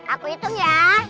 aku hitung ya